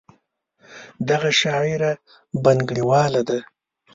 دغه شاعره بنګړیواله ده.